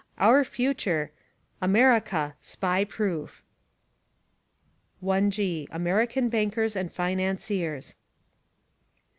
Our future: America, SPY PROOF. IG. American Bankers and Financiers.